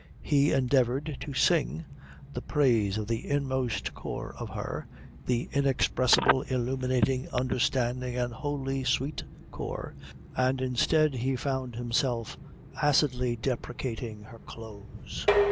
He endeavoured to sing the praise of the inmost core of her, the inexpressible, illuminating, understanding, and wholly sweet core, and instead he found himself acidly deprecating her clothes.